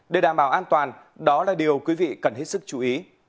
để đảm bảo an toàn đó là điều quý vị cần hết sức chú ý